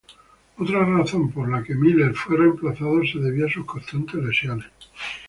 Otra razón por la que Miller fue reemplazado se debió a sus constantes lesiones.